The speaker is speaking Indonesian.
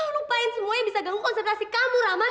lupain semuanya bisa ganggu konsentrasi kamu rama